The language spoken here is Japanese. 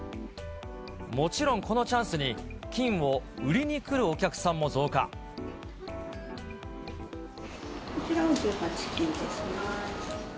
もちろんこのチャンスに、こちらは１８金ですね。